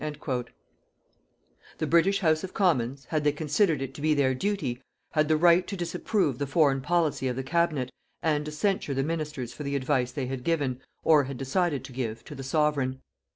_" The British House of Commons, had they considered it to be their duty, had the right to disapprove the foreign policy of the Cabinet and to censure the ministers for the advice they had given, or had decided to give, to the Sovereign.